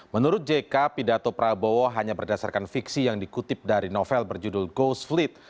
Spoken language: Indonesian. menurut jk pidato prabowo hanya berdasarkan fiksi yang dikutip dari novel berjudul ghost fleet